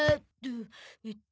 えっと。